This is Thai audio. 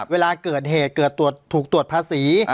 เวลาเกิดเหตุเกิดถูกตรวจภาษี